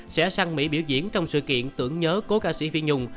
sẽ sang mỹ biểu diễn trong sự kiện tưởng nhớ cố ca sĩ phi nhung